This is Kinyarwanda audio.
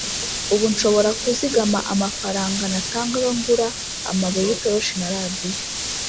ubu nshobora kuzigama amafaranga natangaga ngura amabuye y’itoroshi na radiyo